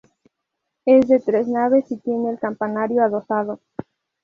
Es de tres naves y tiene el campanario adosado.